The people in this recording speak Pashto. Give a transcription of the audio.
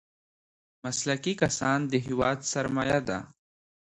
مسلکي کسان د هېواد سرمايه ده.